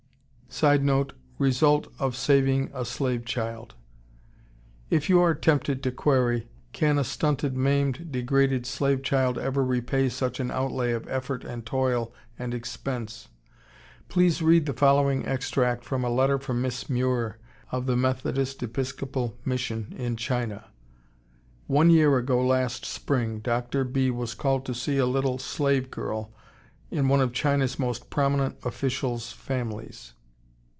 [Sidenote: Result of saving a slave child.] If you are tempted to query, Can a stunted, maimed, degraded slave child ever repay such an outlay of effort and toil and expense? please read the following extract from a letter from Miss Muir of the Methodist Episcopal Mission in China. One year ago last spring Dr. B. was called to see a little slave girl in one of China's most prominent official's families.